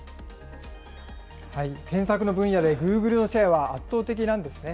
検索の分野でグーグルのシェアは圧倒的なんですね。